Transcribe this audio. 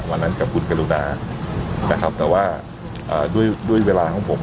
วันนั้นกับคุณกรุณานะครับแต่ว่าด้วยด้วยเวลาของผม